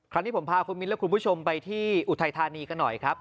ที่ผมพาคุณมิ้นและคุณผู้ชมไปที่อุทัยธานีกันหน่อยครับ